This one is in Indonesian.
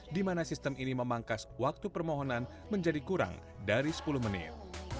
di mana sistem ini memangkas waktu permohonan menjadi kurang dari sepuluh menit